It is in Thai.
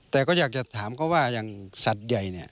แต่ก็อยากจะถามเขาว่าอย่างสัตว์ใหญ่เนี่ย